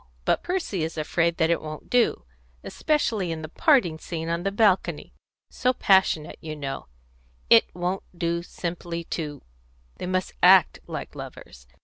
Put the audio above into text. But Percy is afraid that it won't do, especially in the parting scene on the balcony so passionate, you know it won't do simply to They must act like lovers.